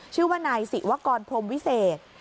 ชื่อว่านายศิวกรพรมวิเศษ